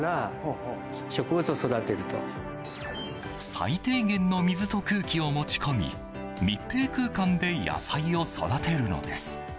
最低限の水と空気を持ち込み密閉空間で野菜を育てるのです。